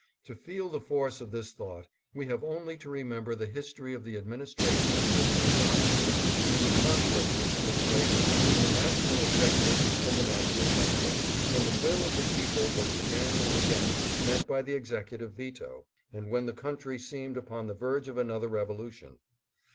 To feel the force of this thought, we have only to remember the history of the administra tion of President Johnson, and the conflict which took place between the national Executive and the national Congress, when the will of the people was again and again met by the Executive veto, and when the country seemed upon the verge of another revolution.